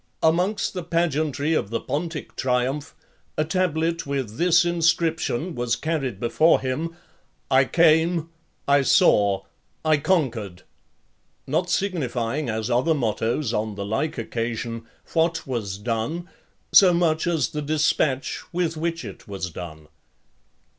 Amongst the pageantry of the Pontic triumph, a tablet with this inscription was carried before him: I CAME, I SAW, I CONQUERED ; not signifying, as other mottos on the like occasion, what was done, so much as the dispatch with which it was done.